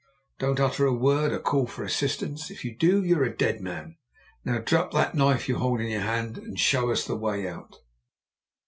Don't utter a word or call for assistance if you do you're a dead man. Now drop that knife you hold in your hand, and show us the way out!"